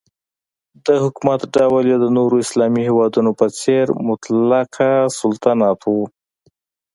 د حکومت ډول یې د نورو اسلامي هیوادونو په څېر مطلقه سلطنت و.